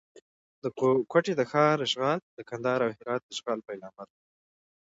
د کوټې د ښار اشغال د کندهار او هرات د اشغال پیلامه ده.